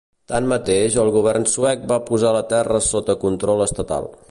Tanmateix, el govern suec va posar la terra sota control estatal.